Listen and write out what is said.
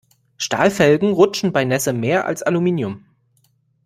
Stahlfelgen rutschen bei Nässe mehr als Aluminium.